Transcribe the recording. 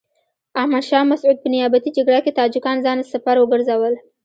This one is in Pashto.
احمد شاه مسعود په نیابتي جګړه کې تاجکان ځان سپر وګرځول.